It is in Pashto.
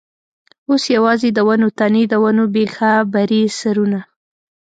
اوس یوازې د ونو تنې، د ونو بېخه برې سرونه.